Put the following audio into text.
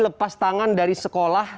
lepas tangan dari sekolah